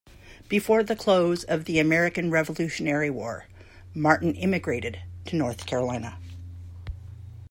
Before the close of the American Revolutionary War, Martin immigrated to North Carolina.